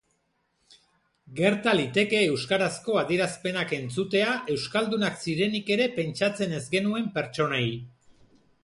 Gerta liteke euskarazko adierazpenak entzutea euskaldunak zirenik ere pentsatzen ez genuen pertsonei.